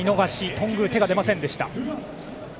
頓宮、手が出ませんでした。